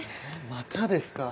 またですか？